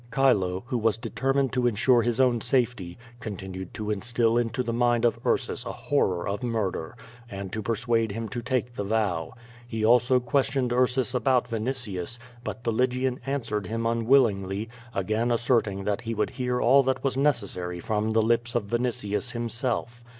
Chilo, who was determined to ensure his own safety, con tinued to instill into the mind of Ursus a horror of murder, and to persuade him to take the vow. lie also questioned Ur sus about Vinitius, but the Lygian answered him unwillingly, again asserting that he would hear all that wai; necessary froia the lips of Vinitius himself.